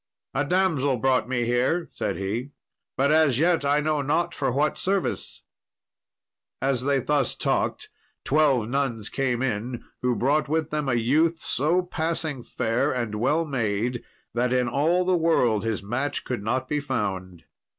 "A damsel brought me here," said he, "but as yet I know not for what service." As they thus talked twelve nuns came in, who brought with them a youth so passing fair and well made, that in all the world his match could not be found.